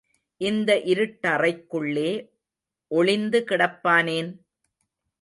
இந்த இருட்டறைக்குள்ளே ஒளிந்து கிடப்பானேன்?